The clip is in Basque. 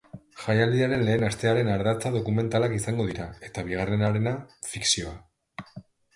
Jaialdiaren lehen astearen ardatza dokumentalak izango dira, eta bigarrenarena, fikzioa.